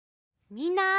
みんな！